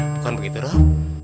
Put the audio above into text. bukan begitu rob